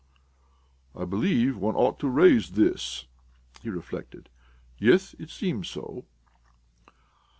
"I believe one ought to raise this ..." he reflected. "Yes, it seems so."